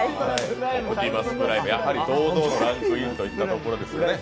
オプティマスプライム、やはり堂々のランクインといったところですね。